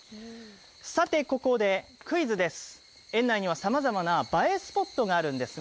さてここでクイズです。